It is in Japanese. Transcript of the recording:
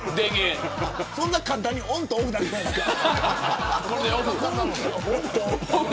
そんな簡単にオンとオフだけ換えられるんですか。